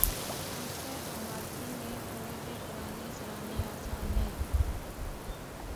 کسے عمارتی نے تھوڑے جے پرانے سرانے آثار نئیں